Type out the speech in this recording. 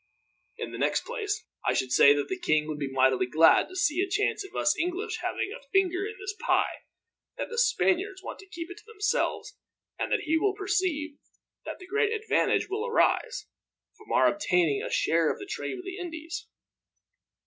In the next place, I should say that the king would be mightily glad to see a chance of us English having a finger in this pie, that the Spaniards want to keep to themselves; and that he will perceive that great advantage will arise, from our obtaining a share of the trade with the Indies.